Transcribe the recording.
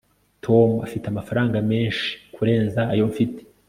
tom afite amafaranga menshi kurenza ayo mfite